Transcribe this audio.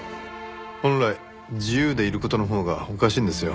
本来自由でいる事のほうがおかしいんですよ